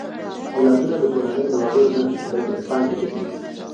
اولادونه د کورنۍ د وګړو نه، بلکې د پانګې په څېر دي.